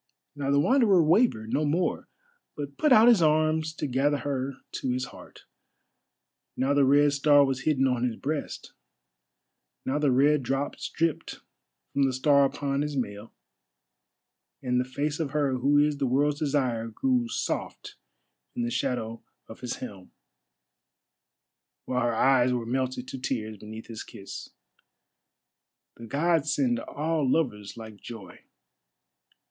Now the Wanderer wavered no more, but put out his arms to gather her to his heart. Now the Red Star was hidden on his breast, now the red drops dripped from the Star upon his mail, and the face of her who is the World's Desire grew soft in the shadow of his helm, while her eyes were melted to tears beneath his kiss. The Gods send all lovers like joy!